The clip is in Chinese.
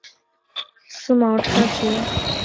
思茅叉蕨为叉蕨科叉蕨属下的一个种。